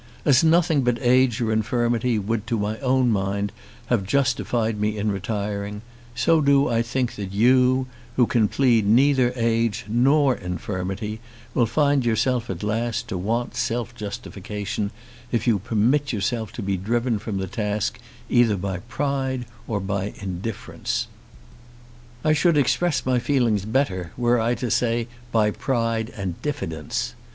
As nothing but age or infirmity would to my own mind have justified me in retiring, so do I think that you, who can plead neither age nor infirmity, will find yourself at last to want self justification, if you permit yourself to be driven from the task either by pride or by indifference. I should express my feelings better were I to say by pride and diffidence.